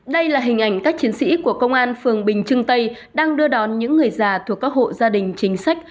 đây là hình ảnh các chiến sĩ của công an phường bình trưng tây đang đưa đón những người già thuộc các hộ gia đình chính sách